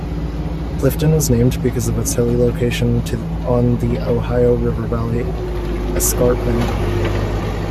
Clifton was named because of its hilly location on the Ohio River valley escarpment.